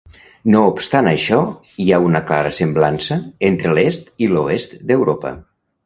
No obstant això, hi ha una clara semblança entre l'est i l'oest d'Europa.